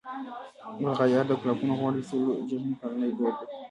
بلغاریا کې د ګلابونو غوړ اخیستلو جشن کلنی دود دی.